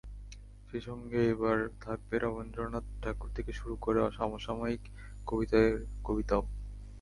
সেই সঙ্গে এবার থাকবে রবীন্দ্রনাথ ঠাকুর থেকে শুরু করে সমসাময়িক কবিদের কবিতাও।